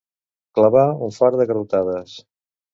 Clavar un fart de garrotades.